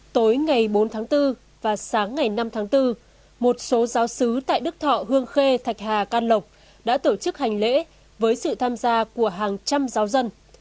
tối ngày bốn tháng bốn và sáng ngày năm tháng bốn một số giáo sứ tại đức thọ hương khê thạch hà can lộc đã tổ chức hành lễ với sự tham gia của hàng trăm giáo dân